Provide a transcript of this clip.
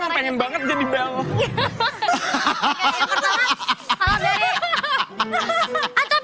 aku pengen banget jadi bell